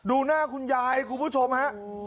ดูหน้าคุณยายคุณผู้ชมฮะ